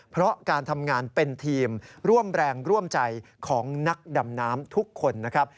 เพราะการทำงานเป็นทีมร่วมแรงร่วมใจของนักดำน้ำทุกคนนะครับ